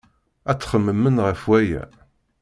Ad txemmemem ɣef waya.